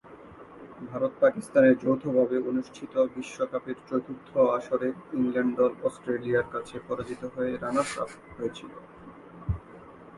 ভারত-পাকিস্তানে যৌথভাবে অনুষ্ঠিত বিশ্বকাপের চতুর্থ আসরে ইংল্যান্ড দল অস্ট্রেলিয়ার কাছে পরাজিত হয়ে রানার্স-আপ হয়েছিল।